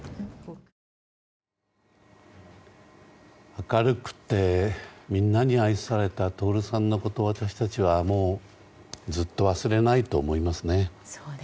明るくてみんなに愛された徹さんのことを私たちはずっと忘れないと思いますね。